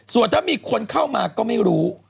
ส่วนถ้ามีคนเข้ามาก็ไม่รู้